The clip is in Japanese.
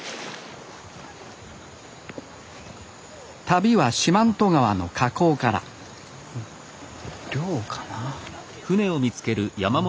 旅は四万十川の河口から漁かな？